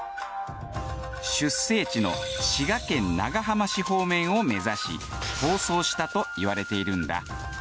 出生地の滋賀県長浜市方面を目指し逃走したと言われているんだ。